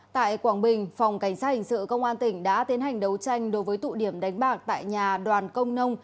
tại quảng bình phòng cảnh sát hình sự công an tỉnh đã tiến hành đấu tranh đối với tụ điểm đánh bạc tại nhà đoàn công nông